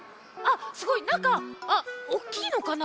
すごいなんかおおきいのかな。